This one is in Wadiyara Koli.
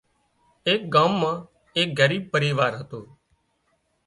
ايڪ ڳام مان ايڪ ڳريب پريوار هتُون